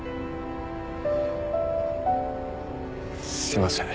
すいません。